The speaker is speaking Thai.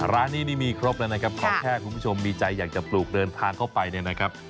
ร้านนี้นี่มีครบแล้วนะครับขอแค่คุณผู้ชมมีใจอยากจะปลูกเดินทางเข้าไปเนี่ยนะครับ